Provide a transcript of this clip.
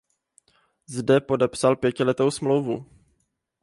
Zde podepsal pětiletou smlouvu.